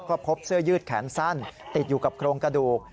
ก็พบเสื้อยืดแขนสั้นติดอยู่กับโครงกระดูก